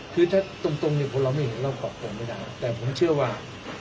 ถือถ้าตรงเนี้ยคุณเรามันเห็นเรากลับตรงไม่ได้ให้แต่ผมเชื่อว่า